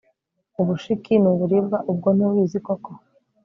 ubushiki ni uburibwa ubwo ntubizi koko